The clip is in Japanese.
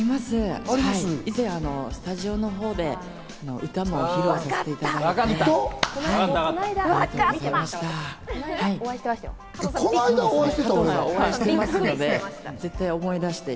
以前、スタジオのほうで歌も披露させていただいて。